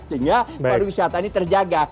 sehingga pariwisata ini terjaga